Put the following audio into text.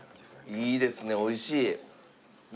いいですねおいしい。